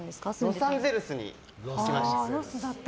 ロサンゼルスに行きました。